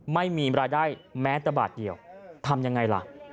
ไม่มีรายได้แม้แต่บาทเดียวทำยังไงล่ะ